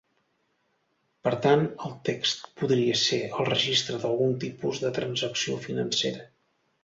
Per tant, el text podria ser el registre d'algun tipus de transacció financera.